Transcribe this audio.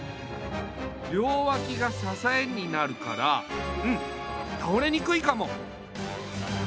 りょうわきがささえになるからうんたおれにくいかも。